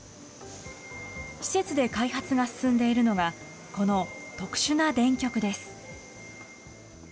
施設で開発が進んでいるのが、この特殊な電極です。